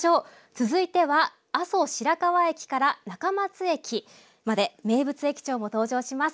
続いては阿蘇白川駅から中松駅まで名物駅長も登場します。